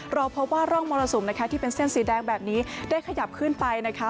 เราพบว่าร่องมรสุมนะคะที่เป็นเส้นสีแดงแบบนี้ได้ขยับขึ้นไปนะคะ